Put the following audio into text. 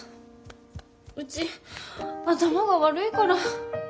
うち頭が悪いから。